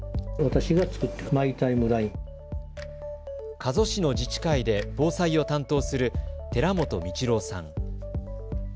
加須市の自治会で防災を担当する寺本道郎さん。